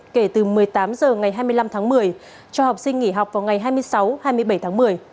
kể từ một mươi tám h ngày hai mươi năm tháng một mươi cho học sinh nghỉ học vào ngày hai mươi sáu hai mươi bảy tháng một mươi